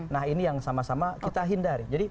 nah ini yang sama sama kita hindari